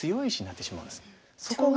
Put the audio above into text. そこが。